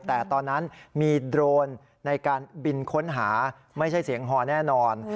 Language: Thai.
แต่ตอนนั้นมีโดรนในการบินค้นหาไม่ใช่เสียงฮอแน่นอน